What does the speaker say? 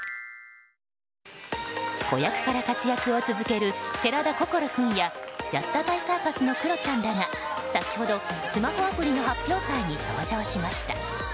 子役から活躍を続ける寺田心君や安田大サーカスのクロちゃんらが先ほどスマホアプリの発表会に登場しました。